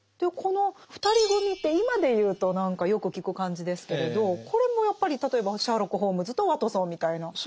この２人組って今で言うと何かよく聞く感じですけれどこれもやっぱり例えばシャーロック・ホームズとワトソンみたいな。